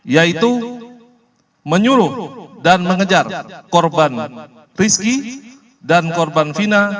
yaitu menyuruh dan mengejar korban rizky dan korban fina